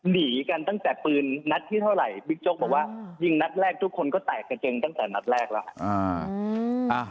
หนีกันตั้งแต่ปืนนัดที่เท่าไหร่บิ๊กโจ๊กบอกว่ายิงนัดแรกทุกคนก็แตกกระเจงตั้งแต่นัดแรกแล้ว